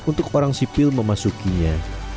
untuk orang sipil memasukinya